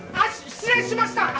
失礼しました！